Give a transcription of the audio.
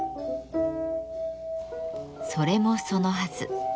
それもそのはず。